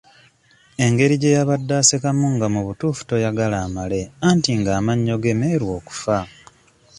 Engeri gye yabadde asekamu nga mu butuufu toyagala amale anti ng'amannyo ge meeru okufa.